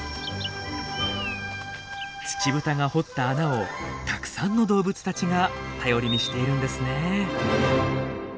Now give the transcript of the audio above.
ツチブタが掘った穴をたくさんの動物たちが頼りにしているんですね。